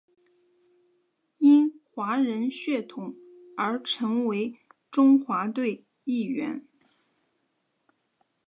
因华人血统而成为中华队一员。